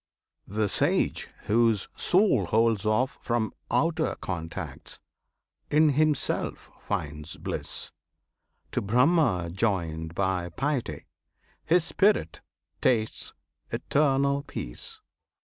The sage whose soul Holds off from outer contacts, in himself Finds bliss; to Brahma joined by piety, His spirit tastes eternal peace.